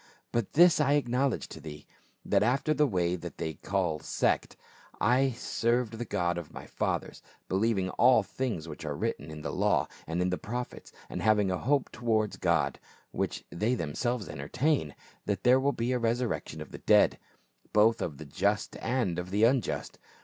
But this I acknowledge to thee, that after the way that they call sect, so I serve the God of my fathers, believing all things which arc written in the law and in the prophets, and having a hope towards God — which they themselves entertain, that there will be a resurrection of the dead,* both of the just and of the unjust.